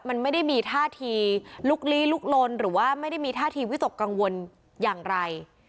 มันไม่ได้มีท่าทีลุกลี้ลุกลนหรือว่าไม่ได้มีท่าทีวิตกกังวลอย่างไร